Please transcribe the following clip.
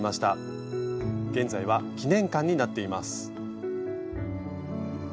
現在は記念館になっています。